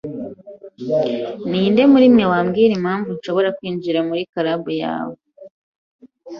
Ninde muri mwe wambwira impamvu ntashobora kwinjira muri club yawe?